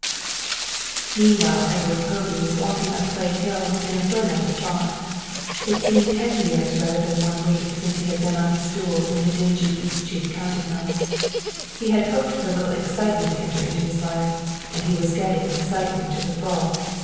Meanwhile Edward Povey was walking up Clay Hill in a ferment of thought. It seemed ten years rather than one week since he had been on his stool in the dingy Eastcheap counting house. He had hoped for a little excitement to enter into his life, and he was getting excitement to the full.